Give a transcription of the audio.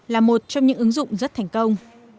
là một trong những ứng dụng rất thành công